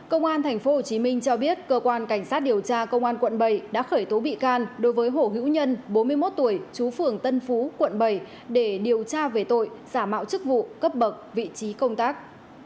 công an tp hcm cho biết cơ quan cảnh sát điều tra công an quận bảy đã khởi tố bị can đối với hồ hữu nhân bốn mươi một tuổi chú phường tân phú quận bảy để điều tra về tội giả mạo chức vụ cấp bậc vị trí công tác